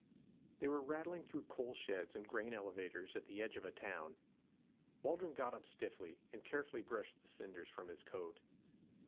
They were rattling through coal sheds and grain elevators at the edge of a town. Waldron got up stiffly and carefully brushed the cinders from his coat.